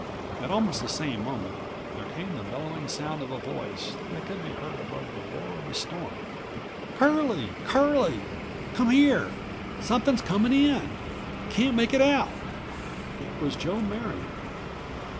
At almost the same moment there came the bellowing sound of a voice that could be heard above the roar of the storm: "Curlie! Curlie! Come here! Something coming in. Can't make it out!" It was Joe Marion.